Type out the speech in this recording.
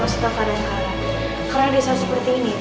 karena di saat seperti ini pasti clara menutupkan suara himu